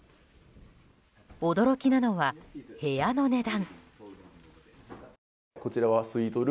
驚きなのは部屋の値段。